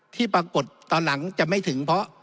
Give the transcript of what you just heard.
ที่ปรากฏตอนหลังจะไม่ถึงเพราะ